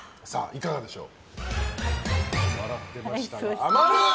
いかがでしょう？